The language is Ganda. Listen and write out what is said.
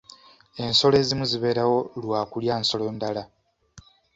Ensolo ezimu zibeerawo lwa kulya nsolo ndala.